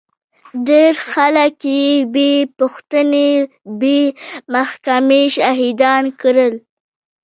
ډېر خلک يې بې پوښتنې بې محکمې شهيدان کړل.